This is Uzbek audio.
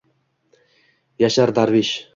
Yashar darvish